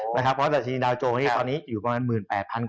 นะครับเพราะว่าดาวโจรตอนนี้อยู่ประมาณ